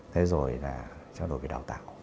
thế rồi là trao đổi về đào tạo